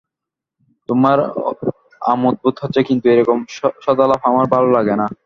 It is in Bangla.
তোমার আমোদ বোধ হচ্ছে, কিন্তু এরকম সদালাপ আমার ভালো লাগে না।